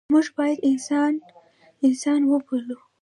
موږ باید انسان انسان وبولو.